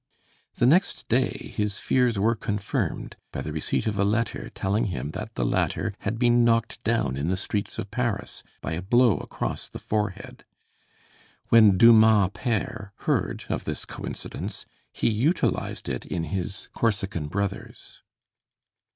The next day his fears were confirmed by the receipt of a letter, telling him that the latter had been knocked down in the streets of Paris by a blow across the forehead. When Dumas père heard of this coincidence, he utilized it in his 'Corsican Brothers.'